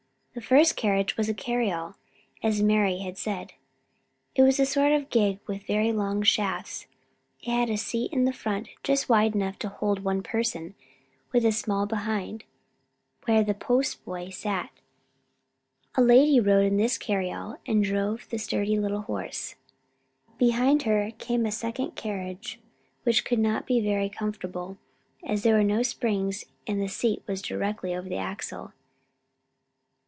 The first carriage was a cariole, as Mari had said. It was a sort of gig with very long shafts. It had a seat in front just wide enough to hold one person, with a small place behind, where the post boy sat. A lady rode in this cariole and drove the sturdy little horse. Behind her came a second carriage, which could not be very comfortable, as there were no springs and the seat was directly over the axle.